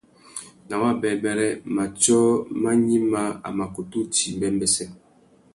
Nà wabêbêrê, matiō mà gnïmá, a mà kutu djï mbêmbêssê.